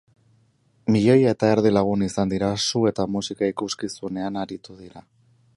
Milioi eta erdi lagun izan dira su eta musika ikuskizunean aritu dira.